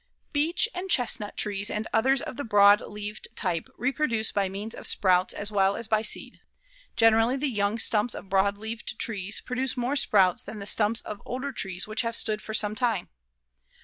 Beech and chestnut trees and others of the broad leaved type reproduce by means of sprouts as well as by seed. Generally, the young stumps of broad leaved trees produce more sprouts than the stumps of older trees which have stood for some time.